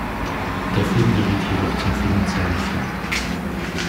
Der Film geriet jedoch zum finanziellen Flop.